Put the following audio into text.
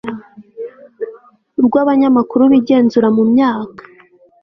rw abanyamakuru bigenzura mu myaka